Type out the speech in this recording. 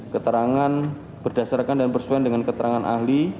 keterangan berdasarkan dan bersesuaian dengan keterangan ahli